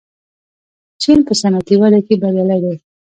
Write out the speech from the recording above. چین په صنعتي وده کې بریالی دی.